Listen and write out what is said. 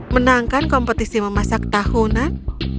menangkan kompetisi memasak tahunan